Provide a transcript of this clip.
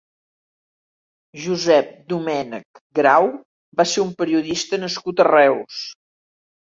Josep Domènech Grau va ser un periodista nascut a Reus.